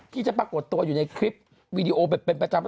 ที่จะปรากฏตัวอยู่ในคลิปวีดีโอแบบเป็นประจำ